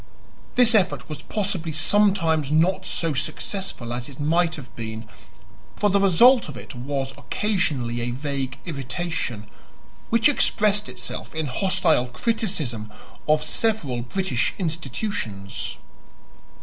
This effort was possibly sometimes not so successful as it might have been, for the result of it was occasionally a vague irritation, which expressed itself in hostile criticism of several British institutions.